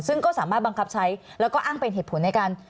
ซึ่งก็สามารถบังคับใช้แล้วก็อ้างเป็นเหตุผลในการ